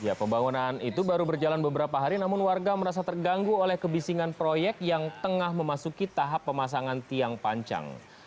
ya pembangunan itu baru berjalan beberapa hari namun warga merasa terganggu oleh kebisingan proyek yang tengah memasuki tahap pemasangan tiang panjang